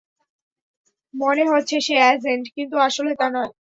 মনে হচ্ছে সে অ্যাজেন্ট, কিন্তু আসলে তা না!